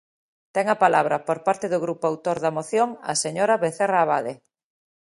Ten a palabra, por parte do grupo autor da moción, a señora Vecerra Abade.